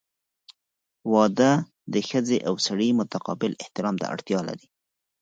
• واده د ښځې او سړي متقابل احترام ته اړتیا لري.